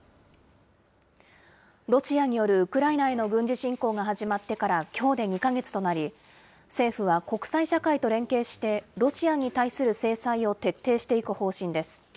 ロシアによるウクライナへの軍事侵攻が始まってからきょうで２か月となり、政府は国際社会と連携して、ロシアに対する制裁を徹底していく方針です。